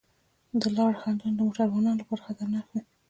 د لارې خنډونه د موټروانو لپاره خطرناک وي.